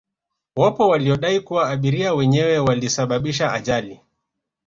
wapo waliodai kuwa abiria wenyewe walisababisha ajali